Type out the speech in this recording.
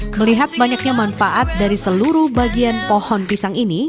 melihat banyaknya manfaat dari seluruh bagian pohon pisang ini